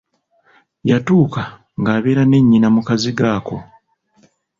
Yatuuka ng'abeera ne nnyina mu kazigo ako.